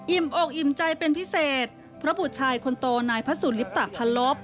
อิ่มอกอิ่มใจเป็นพิเศษเพราะผู้ชายคนโตในพระสูริปตะพันลบ